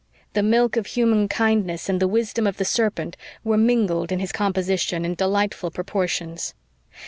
The milk of human kindness and the wisdom of the serpent were mingled in his composition in delightful proportions.